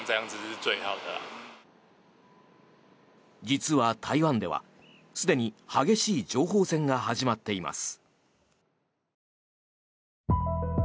実は台湾ではすでに激しい情報戦が始まっています。